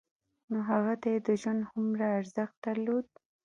نو هغه ته يې د ژوند هومره ارزښت درلود.